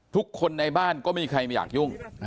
ทุกคนในบ้านก็ไม่มีใครไม่อยากยุ่ง